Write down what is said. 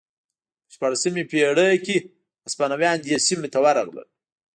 په شپاړسمې پېړۍ کې هسپانویان دې سیمې ته ورغلل.